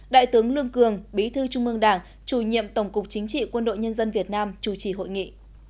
đại tướng lương cường bí thư trung mương đảng chủ nhiệm tổng cục chính trị quân đội nhân dân việt nam chủ trì hội nghị